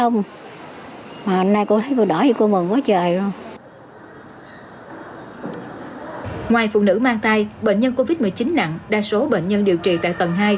ngoài phụ nữ mang thai bệnh nhân covid một mươi chín nặng đa số bệnh nhân điều trị tại tầng hai